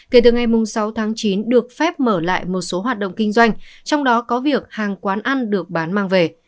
kể từ ngày sáu tháng chín được phép mở lại một số hoạt động kinh doanh trong đó có việc hàng quán ăn được bán mang về